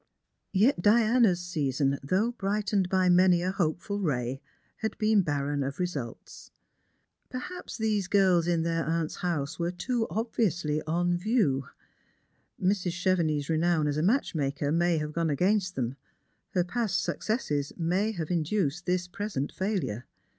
Yet Diana's season, though brightened by many a hopeful ray, had been barren of results. Perhaps these girls in their aunt's bouse were too obviously "on view." Mrs. Chevenix's renown \s a match maker may have g^ne against them ; her past sue* 80 Strangers and JPilgnmfi. cesses may have induced this present failure.